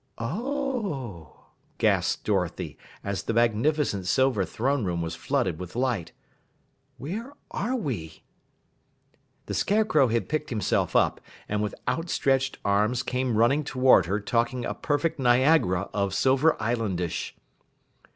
"Oh!" gasped Dorothy as the magnificent silver throne room was flooded with light, "Where are we?" The Scarecrow had picked himself up, and with outstretched arms came running toward her talking a perfect Niagara of Silver Islandish.